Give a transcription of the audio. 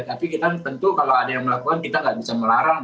tapi kita tentu kalau ada yang melakukan kita nggak bisa melarang